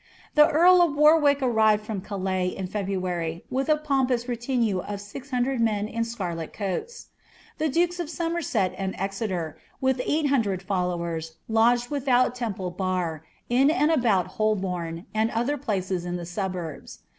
Thr earl of Warwick arrived from Calais in February, with a pompous re Imue of SIX hundred men in scarltrl coats. The dukea of Soioetsei siiiJ F.xuier, with eight hundmj followers, lodged without Temple Bar, in Ami about Holburn, and other placet) in th» suburbs.